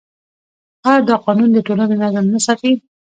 آیا دا قانون د ټولنې نظم نه ساتي؟